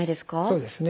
そうですね。